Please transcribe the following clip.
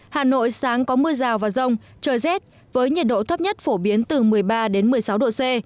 hà nội sáng có mưa rào và rông trời rét với nhiệt độ thấp nhất phổ biến từ một mươi ba đến một mươi sáu độ c